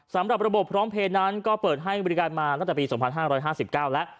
สำหรับระบบพร้อมเพลย์นั้นก็เปิดให้บริการมาตั้งแต่ปี๒๕๕๙แล้ว